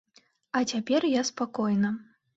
А цяпер я спакойна.